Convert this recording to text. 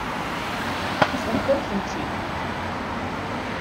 Ṭṭfent-am-tent-id.